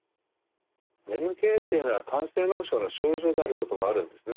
眠気というのは肝性脳症の症状であることもあるんですね。